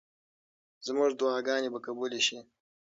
زموږ دعاګانې به قبولې شي.